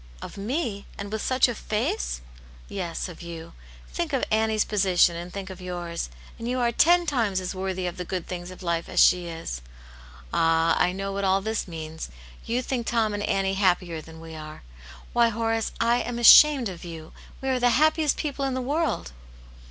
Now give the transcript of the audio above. ." Of me ! And with such a face ?"" Yes, of you. Think of Annie's position, and think of yours ! And you are ten times as worthy of the good things of life as she is." *' Ah ! I know what all this means. You think Tom and Annie happier thatv we are* Why, Horace Aunt Jane's Hero. 179 I am ashamed of you ! Wc are the happiest people in the world."